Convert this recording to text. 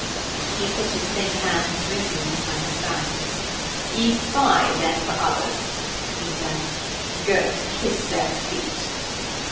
He put his thin hand grimly behind his back. 'Ye spy, then, for others,' he said. 'Go kiss their feet.'